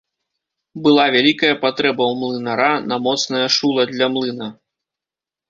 Была вялікая патрэба ў млынара на моцнае шула для млына.